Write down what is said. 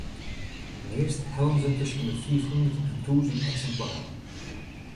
Meast hellen se tusken de fiifhûndert en tûzen eksimplaren.